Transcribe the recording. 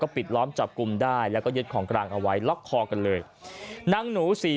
ปิดล้อมจับกลุ่มได้แล้วก็ยึดของกลางเอาไว้ล็อกคอกันเลยนางหนูสี่